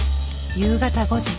夕方５時。